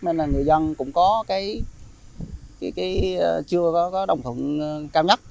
nên người dân cũng chưa có đồng thuận cao nhất